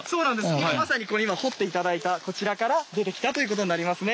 今まさにこれ今掘って頂いたこちらから出てきたということになりますね。